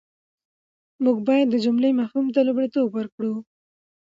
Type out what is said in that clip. موږ بايد د جملې مفهوم ته لومړیتوب ورکړو.